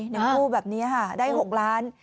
หนึ่งคู่แบบนี้ค่ะได้หกล้าน